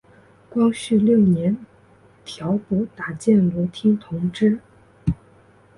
光绪六年调补打箭炉厅同知。